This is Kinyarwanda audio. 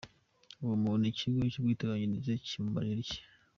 Uwo muntu Ikigo cy’Ubwiteganyirize kimumarira iki?.